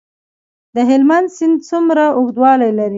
د هلمند سیند څومره اوږدوالی لري؟